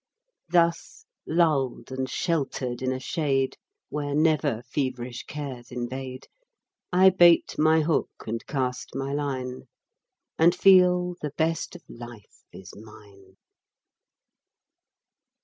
Thus lulled and sheltered in a shade Where never feverish cares invade, I bait my hook and cast my line, And feel the best of life is mine.